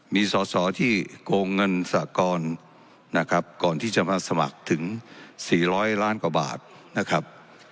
มีสอสอที่โกงเงินสากรนะครับก่อนที่จะมาสมัครถึง๔๐๐ล้านกว่าบาทนะครับ